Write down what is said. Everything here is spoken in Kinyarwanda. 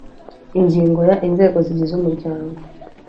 Ingingo ya Inzego zigize umuryango